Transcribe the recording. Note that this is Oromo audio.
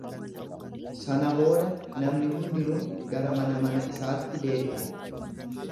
Sana booda namni hundinuu gara mana mana isaatti deebi’an.